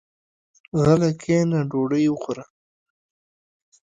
غلی کېنه ډوډۍ وخوره.